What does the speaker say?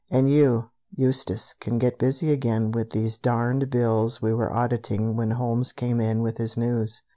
"And you, Eustace, can get busy again with these darned bills we were auditing when Holmes came in with his news."